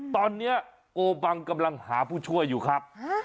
ตอนนี้โอบังกำลังหาผู้ช่วยอยู่ครับ